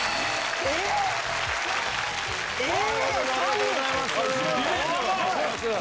ありがとうございます。